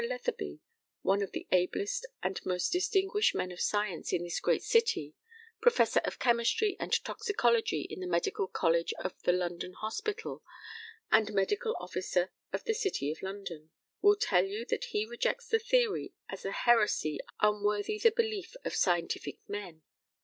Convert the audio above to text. Letheby, one of the ablest and most distinguished men of science in this great city, professor of chemistry and toxicology in the Medical College of the London Hospital, and medical officer of the City of London, will tell you that he rejects the theory as a heresy unworthy the belief of scientific men.